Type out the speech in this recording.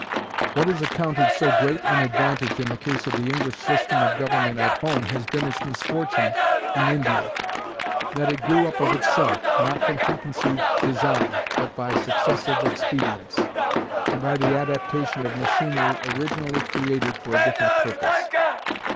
What is accounted so great an advantage in the case of the English system of government at home has been its misfortune in India that it grew up of itself, not from preconceived design, but by successive expedients, and by the adaptation of machinery originally created for a different purpose.